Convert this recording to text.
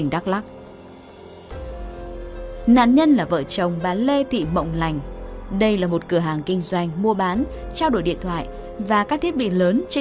đây là một vụ trộm cắp tài sản xảy ra tại xã đắk lắk